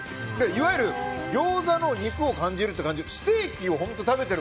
いわゆるギョーザの肉を感じるという。